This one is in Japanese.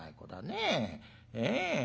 ええ？